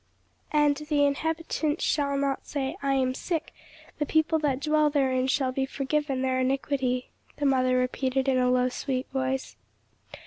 "'And the inhabitant shall not say, I am sick; the people that dwell therein shall be forgiven their iniquity,'" the mother repeated in a low sweet voice.